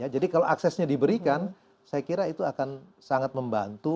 jadi kalau aksesnya diberikan saya kira itu akan sangat membantu